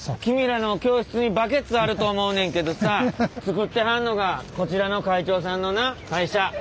君らの教室にバケツあると思うねんけどさ作ってはるのがこちらの会長さんのな会社。